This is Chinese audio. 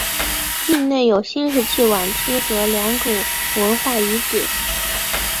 境内有新石器晚期和良渚文化遗址。